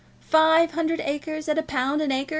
Five hundred acres at twenty pounds an acre.